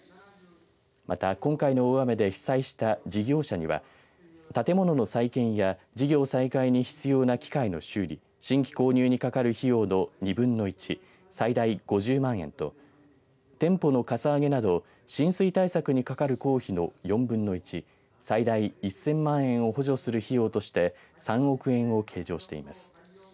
また、今回の大雨で被災した事業者には建物の再建や事業再開に必要な機械の修理新規購入にかかる費用の２分の１最大５０万円と店舗のかさ上げなど浸水対策にかかる公費の４分の１最大１０００万円を補助する費用として３億円を計上しています。